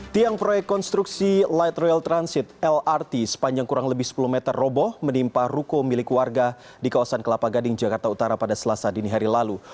tiang proyek konstruksi light rail transit lrt sepanjang kurang lebih sepuluh meter roboh menimpa ruko milik warga di kawasan kelapa gading jakarta utara pada selasa dini hari lalu